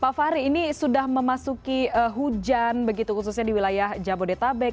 pak fahri ini sudah memasuki hujan begitu khususnya di wilayah jabodetabek